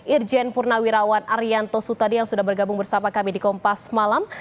irjen purnawirawan arianto sutadi yang sudah bergabung bersama kami di kompas malam